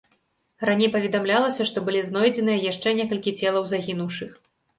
Раней паведамлялася, што былі знойдзеныя яшчэ некалькі целаў загінуўшых.